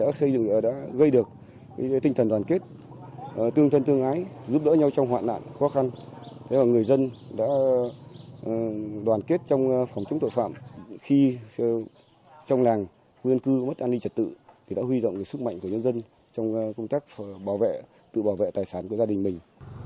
các nhà văn hóa đã đoàn kết trong phòng chống tội phạm khi trong làng nguyên cư mất an ninh trật tự thì đã huy rộng sức mạnh của nhân dân trong công tác tự bảo vệ tài sản của gia đình mình